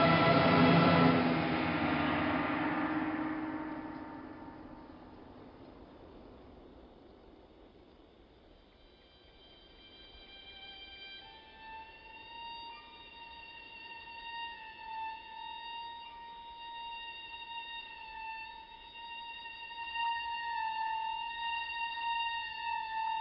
ต้องหาตัวงานใจ